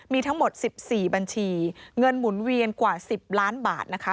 มีทั้งหมด๑๔บัญชีเงินหมุนเวียนกว่า๑๐ล้านบาทนะคะ